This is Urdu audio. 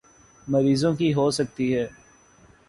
مریضوں کی ہو سکتی ہیں